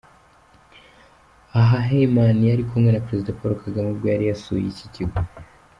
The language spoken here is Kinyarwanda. Aha Heyman yari kumwe na Perezida Paul Kagame ubwo yari yasuye iki kigo.